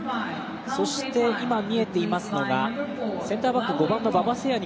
そして、今見えていますのがセンターバックの馬場晴也。